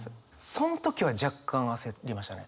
その時は若干焦りましたね。